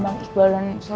tunggu nggak shitu kita gue